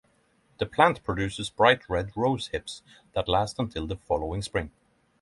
The plant produces bright red rose hips that last until the following spring.